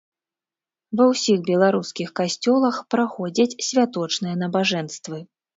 Ва ўсіх беларускіх касцёлах праходзяць святочныя набажэнствы.